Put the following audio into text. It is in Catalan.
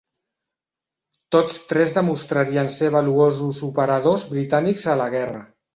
Tots tres demostrarien ser valuosos operadors britànics a la guerra.